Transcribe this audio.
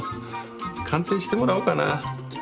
鑑定してもらおうかな？